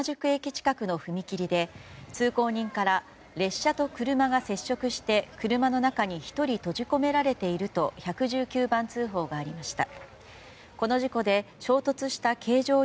近くの踏切で通行人から列車と車が接触して車の中に１人閉じ込められていると１１９番通報がありました。